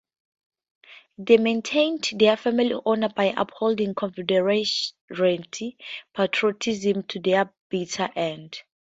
They maintained their family honor by upholding Confederate patriotism to the bitter end.